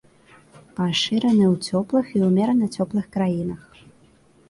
Пашыраны ў цёплых і ўмерана цёплых краінах.